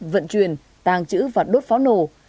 vận truyền tàng trữ và đốt pháo nổ